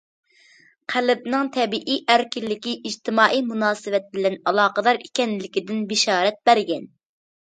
قەلبنىڭ تەبىئىي ئەركىنلىكى ئىجتىمائىي مۇناسىۋەت بىلەن ئالاقىدار ئىكەنلىكىدىن بېشارەت بەرگەن.